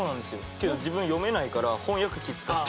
けど自分読めないから翻訳機使って。